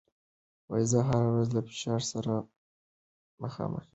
زه هره ورځ له فشار سره مخامخېږم.